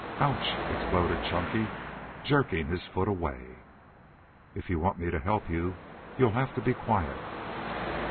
"Ouch!" exploded Chunky, jerking his foot away. "If you want me to help you, you'll have to be quiet."